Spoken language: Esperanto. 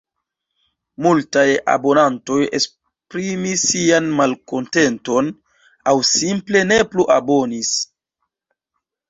Multaj abonantoj esprimis sian malkontenton – aŭ simple ne plu abonis.